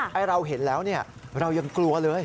ให้เราเห็นแล้วเรายังกลัวเลย